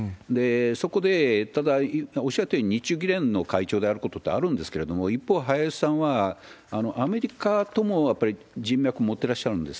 そこでただ、おっしゃったように日中議連の会長であることってあるんですけれども、一方、林さんはアメリカともやっぱり人脈持ってらっしゃるんです。